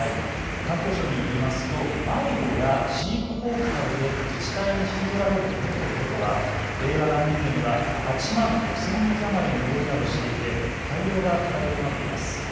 環境省によりますと迷子や飼育放棄などで自治体に引き取られる犬と猫は令和元年度には８万５０００匹余りに上るなどしていて対応が課題となっています。